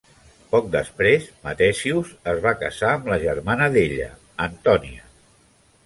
Poc després, Mathesius es va casar amb la germana d'ella, Antonia.